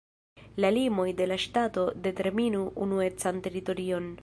La limoj de la ŝtato determinu unuecan teritorion.